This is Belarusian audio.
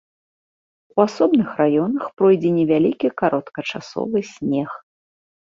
У асобных раёнах пройдзе невялікі кароткачасовы снег.